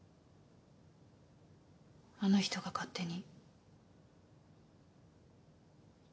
あの人が勝手に。